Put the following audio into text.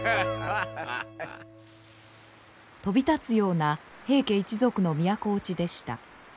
飛び立つような平家一族の都落ちでした。